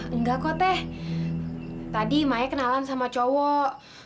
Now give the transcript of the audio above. engga koteh tadi maya kenalan sama cowok